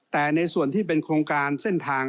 แต่ในส่วนที่เป็นโครงการเส้นทาง